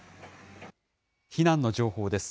避難の情報です。